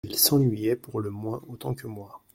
«Elle s'ennuyait, pour le moins, autant que moi.